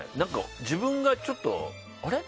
自分がちょっとあれ？